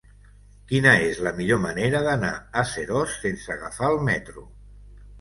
Quina és la millor manera d'anar a Seròs sense agafar el metro?